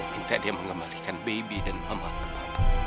minta dia mengembalikan baby dan mama ke papa